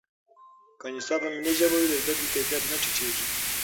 که نصاب په ملي ژبه وي، د زده کړې کیفیت نه ټیټېږي.